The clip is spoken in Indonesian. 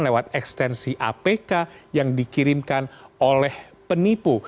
lewat ekstensi apk yang dikirimkan oleh penipu